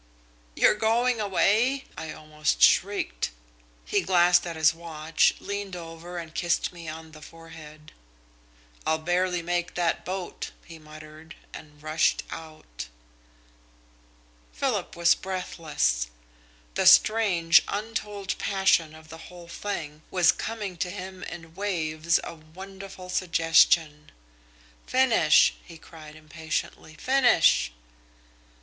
"'You're going away?' I almost shrieked. "He glanced at his watch, leaned over, and kissed me on the forehead. "'I'll barely make that boat,' he muttered, and rushed out."... Philip was breathless. The strange, untold passion of the whole thing was coming to him in waves of wonderful suggestion. "Finish!" he cried impatiently. "Finish!"